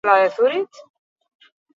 Ez du ia albo-ondoriorik eragiten.